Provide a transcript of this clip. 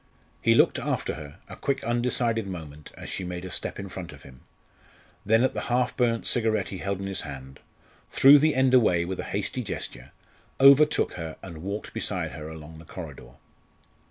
He looked after her a quick undecided moment as she made a step in front of him, then at the half burnt cigarette he held in his hand, threw the end away with a hasty gesture, overtook her and walked beside her along the corridor.